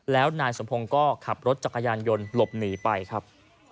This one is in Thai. แล้วนายสมพงศ์ก็ขับรถจักรยานยนต์หลบหนีไปครับ